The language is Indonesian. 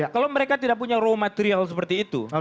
kalau mereka tidak punya raw material seperti itu